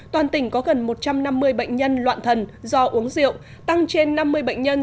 toàn tỉnh có gần một trăm năm mươi bệnh nhân loạn thần do uống rượu tăng trên năm mươi bệnh nhân